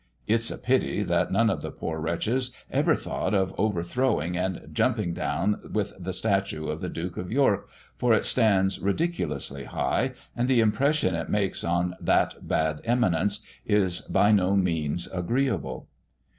It's a pity that none of the poor wretches ever thought of over throwing and jumping down with the statue of the Duke of York, for it stands ridiculously high, and the impression it makes on that bad eminence is by no means agreeable.